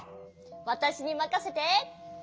わたしにまかせて。